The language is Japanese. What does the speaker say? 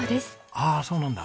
ああそうなんだ。